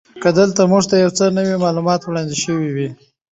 که دلته موږ ته یو څه نوي معلومات وړاندې شوي وی.